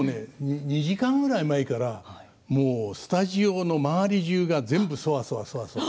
２時間ぐらい前からスタジオの周りじゅうが全部そわそわそわそわ。